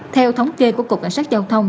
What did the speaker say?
theo thống kê của cục cảnh sát giao thông